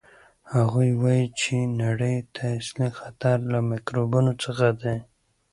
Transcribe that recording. هغوی وایي چې نړۍ ته اصلي خطر له میکروبونو څخه دی.